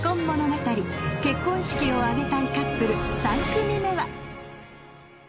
結婚式を挙げたいカップル３組目は。